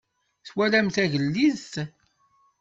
Twalam tagellidt?